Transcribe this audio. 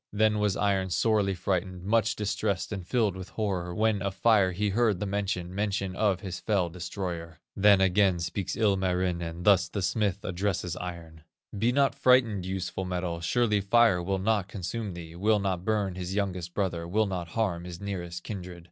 "Then was Iron sorely frightened, Much distressed and filled with horror, When of Fire he heard the mention, Mention of his fell destroyer. "Then again speaks Ilmarinen, Thus the smith addresses Iron: 'Be not frightened, useful metal, Surely Fire will not consume thee, Will not burn his youngest brother, Will not harm his nearest kindred.